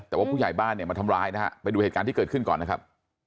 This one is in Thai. แต่ว่าผู้ใหญ่บ้านเนี่ยมาทำร้ายนะฮะไปดูเหตุการณ์ที่เกิดขึ้นก่อนนะครับ